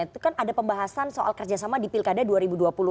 itu kan ada pembahasan soal kerjasama di pilkada dua ribu dua puluh